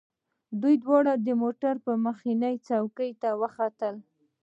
دوی دواړه د موټر مخکینۍ څوکۍ ته وختل